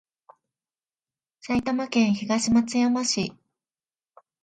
埼玉県東松山市